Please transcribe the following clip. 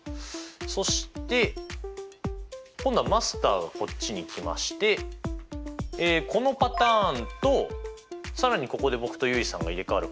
そして今度はマスターがこっちに来ましてこのパターンと更にここで僕と結衣さんが入れ代わるパターン